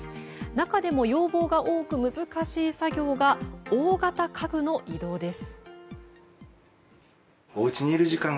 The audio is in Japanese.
中でも、要望が多く難しい作業が大型家具の移動です。